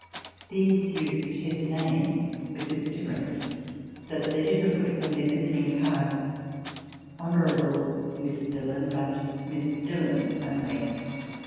These used his name, with this diflPerence, that they did not put upon their visiting cards "Honorable Miss Dillon," but "Miss Dillon" only.